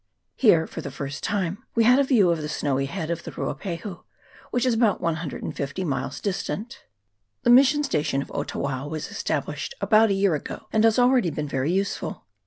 Here, for the first time, we had a view of the snowy head of the Ruapahu, which is about 150 miles distant. The mission station of Otawao was established about a year ago, and has already been very useful.